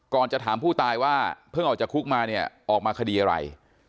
จะถามผู้ตายว่าเพิ่งออกจากคุกมาเนี่ยออกมาคดีอะไร